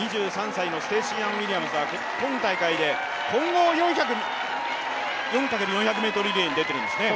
２３歳のステイシー・アン・ウィリアムズは、今大会で混合４×４００ｍリレーに出てるんですね。